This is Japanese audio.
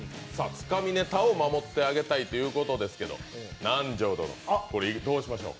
つかみネタを守ってあげたいということですけれども、南條殿、どうしましょう。